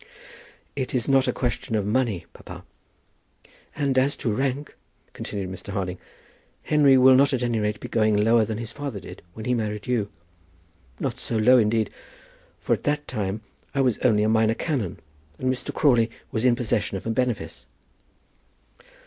"It is not a question of money, papa." "And as to rank," continued Mr. Harding, "Henry will not at any rate be going lower than his father did when he married you; not so low indeed, for at that time I was only a minor canon, and Mr. Crawley is in possession of a benefice."